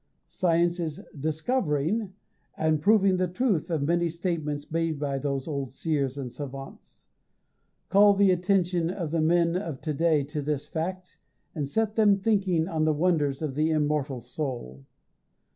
Science is "discovering" and proving the truth of many statements made by those old seers and savants. Call the attention of the men of to day to this fact, and set them thinking on the wonders of the immortal soul.